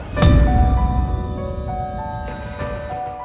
di mana ada segerombolan orang